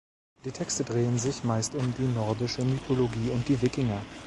Die Texte drehen sich meist um die nordische Mythologie und die Wikinger.